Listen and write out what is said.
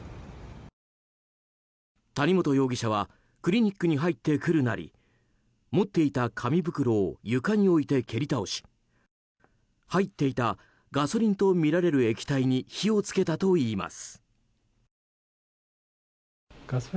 谷本容疑者はクリニックに入ってくるなり持っていた紙袋を床に置いて蹴り倒し入っていたガソリンとみられる液体に火をつけたといいます。